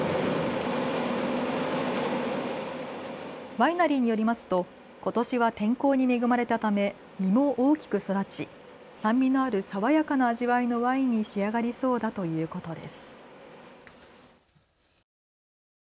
ワイナリーによりますとことしは天候に恵まれたため実も大きく育ち、酸味のある爽やかな味わいのワインに仕上がりそうだということです。